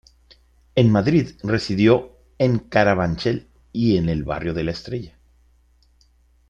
En Madrid, residió en Carabanchel y en el Barrio de La Estrella.